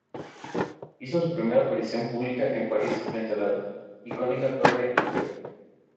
Hizo su primera aparición pública en París frente a la icónica Torre Eiffel.